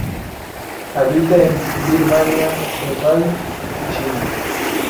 Habita en Birmania, Nepal y China.